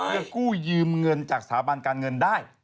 กู้ยืมเงินจากสถาบันการเงินได้